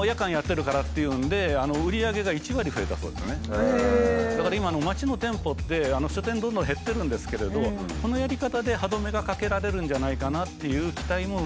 基本的にこれだから今街の店舗って書店どんどん減ってるんですけれどこのやり方で歯止めがかけられるんじゃないかなっていう期待も生まれてるんです。